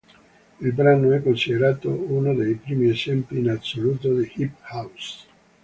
Il brano è considerato uno dei primi esempi in assoluto di hip house.